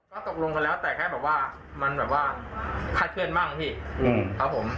ก็ตกลงกันแล้วแต่แค่แบบว่ามันแบบว่าคาดเคลื่อนบ้างพี่ครับผม